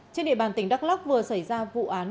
trên địa bàn tỉnh đắk lóc vừa xảy ra vụ án